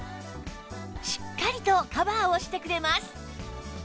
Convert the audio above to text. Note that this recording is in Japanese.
しっかりとカバーをしてくれます